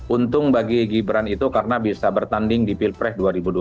untung bagi gibran itu karena bisa bertanding di pilpres dua ribu dua puluh